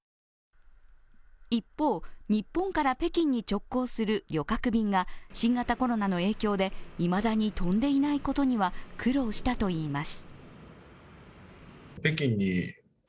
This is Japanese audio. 一方、日本から北京に直行する旅客便が新型コロナの影響でいまだに飛んでいないことには苦労したといいます。